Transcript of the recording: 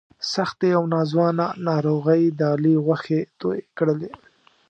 سختې او ناځوانه ناروغۍ د علي غوښې تویې کړلې.